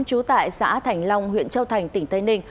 chú tại xã thành long huyện châu thành tỉnh tây nguyên